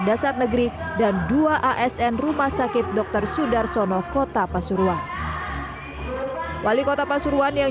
dasar negeri dan dua asn rumah sakit dokter sudarsono kota pasuruan wali kota pasuruan yang